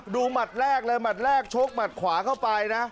หมัดแรกเลยหมัดแรกชกหมัดขวาเข้าไปนะ